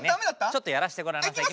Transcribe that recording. ちょっとやらしてごらんなさい。